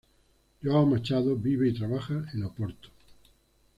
João Machado vive y trabaja en Oporto.